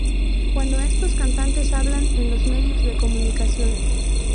cuando estos cantantes hablan en los medios de comunicación